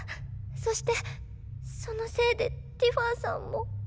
そしてそのせいでティファンさんも。